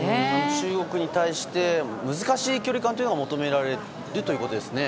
中国に対して難しい距離感が求められるということですね。